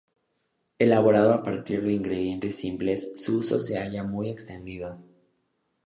Elaborado a partir de ingredientes simples, su uso se halla muy extendido.